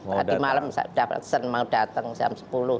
tadi malam mau datang jam sepuluh